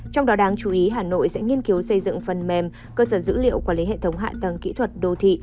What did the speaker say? trong đó đáng chú ý hà nội sẽ nghiên cứu xây dựng phần mềm cơ sở dữ liệu quản lý hệ thống hạ tầng kỹ thuật đô thị